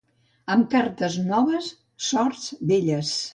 Amb cartes noves, sorts velles.